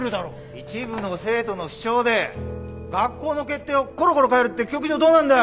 一部の生徒の主張で学校の決定をコロコロ変えるって教育上どうなんだよ。